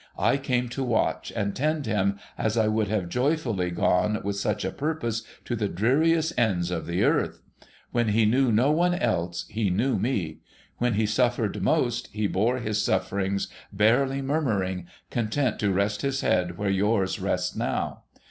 I came to watch and tend him, as I would have joyfully gone, with such a purpose, to the dreariest ends of the earth, ^^'hen he knew no one else, he knew me. When he suffered most, he bore his sufferings barely murmuring, content to rest his head where yours rests now.